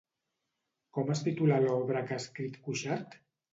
Com es titula l'obra que ha escrit Cuixart?